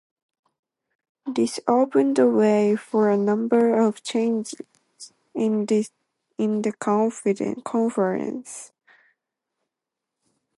This opened the way for a number of changes in the conference.